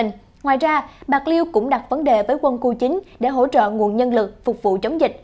ngoài ra bạc liêu cũng đặt vấn đề với quân khu chín để hỗ trợ nguồn nhân lực phục vụ chống dịch